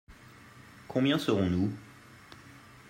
Combien serons-nous ?